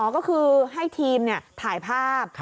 ก็คือให้ทีมถ่ายภาพ